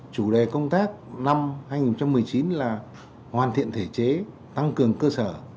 chủ đề công tác năm hai nghìn một mươi chín là hoàn thiện thể chế tăng cường cơ sở